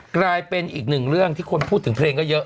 กลายเป็นอีกหนึ่งเรื่องที่คนพูดถึงเพลงก็เยอะ